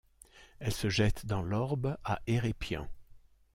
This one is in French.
Elle se jette dans l'Orb à Hérépian.